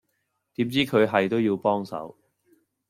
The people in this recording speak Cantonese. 點知佢係都要幫手